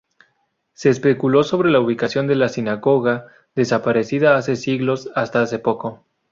Se especuló sobre la ubicación de la sinagoga, desaparecida hace siglos, hasta hace poco.